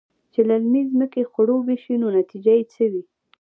چې للمې زمکې خړوبې شي نو نتيجه يې څۀ وي؟